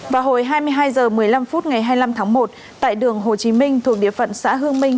vào hồi hai mươi hai h một mươi năm phút ngày hai mươi năm tháng một tại đường hồ chí minh thuộc địa phận xã hương minh